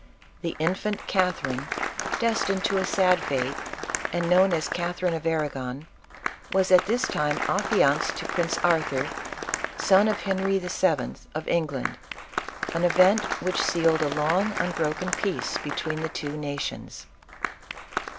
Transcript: The infant Catherine, destined to a sad fate, and known as Catherine of Arragon, was at this time affianced to Prince Arthur, son of Henry VII. of England, an event which sealed a long, unbroken peace between the two nations.